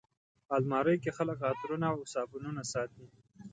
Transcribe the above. الماري کې خلک عطرونه او صابونونه ساتي